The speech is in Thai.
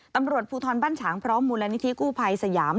ตำรวจภูทรบ้านฉางพร้อมมูลนิธิกู้ภัยสยาม